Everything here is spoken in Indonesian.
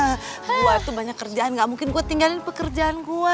gua tuh banyak kerjaan gak mungkin gua tinggalin pekerjaan gua